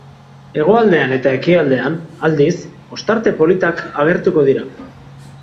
Hegoaldean eta ekialdean, aldiz, ostarte politak agertuko dira.